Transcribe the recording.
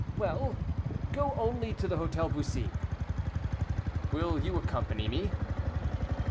"Well! go only to the Hôtel Bussy." "Will you accompany me?"